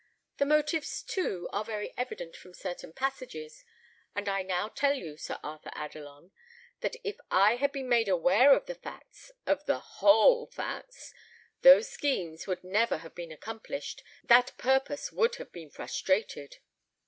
The motives, too, are very evident from certain passages; and I now tell you, Sir Arthur Adelon, that if I had been made aware of the facts of the whole facts those schemes would never have been accomplished, that purpose would have been frustrated."